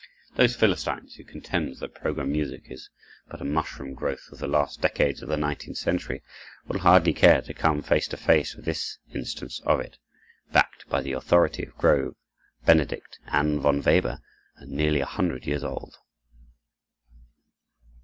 Those Philistines who contend that program music is but a mushroom growth of the last decades of the nineteenth century will hardly care to come face to face with this instance of it, backed by the authority of Grove, Benedict, and von Weber, and nearly a hundred years old.